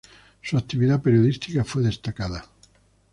Su actividad periodística fue destacada.